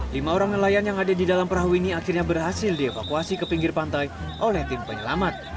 lima orang nelayan yang ada di dalam perahu ini akhirnya berhasil dievakuasi ke pinggir pantai oleh tim penyelamat